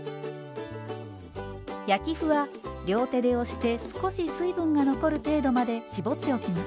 焼き麩は両手で押して少し水分が残る程度まで絞っておきます。